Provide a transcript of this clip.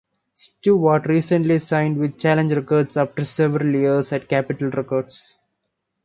Stewart had recently signed with Challenge Records after several years at Capitol Records.